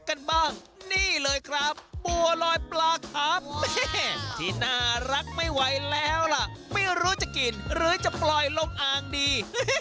กันบ้างนี่เลยครับบัวลอยปลาครับแม่ที่น่ารักไม่ไหวแล้วล่ะไม่รู้จะกินหรือจะปล่อยลงอ่างดี